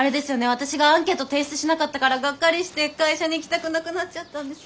私がアンケートを提出しなかったからガッカリして会社に行きたくなくなっちゃったんですよね。